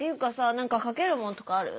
何かかけるものとかある？